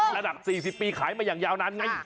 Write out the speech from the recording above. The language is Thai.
ระดับ๔๐ปีขายมาอย่างยาวนานไง